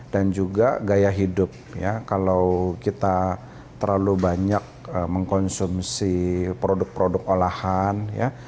dan juga gaya hidup kalau kita terlalu banyak mengkonsumsi produk produk olahan